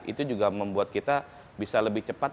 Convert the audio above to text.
itu juga membuat kita bisa lebih cepat